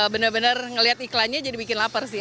benar benar ngelihat iklannya jadi bikin lapar sih